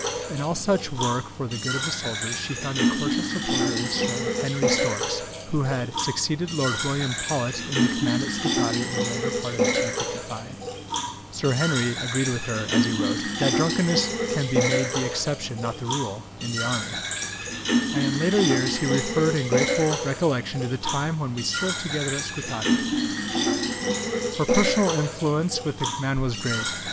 In all such work for the good of the soldiers, she found a cordial supporter in Sir Henry Storks, who had succeeded Lord William Paulet in the command at Scutari in the latter part of 1855. Sir Henry agreed with her, as he wrote, "that drunkenness can be made the exception, not the rule, in the Army"; and in later years he referred in grateful recollection to the time when "we served together at Scutari." Panmure, vol. ii. p. 28. Statement, p. v. Her personal influence with the men was great.